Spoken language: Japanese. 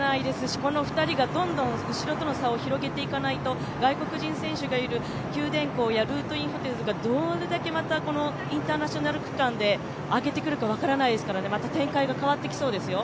この２人がどんどん後ろとの差を広げていかないと外国人選手がいる九電工やルートインホテルズかどれだけインターナショナル区間で上げてくるか分からないですからね、また展開が変わってきそうですよ。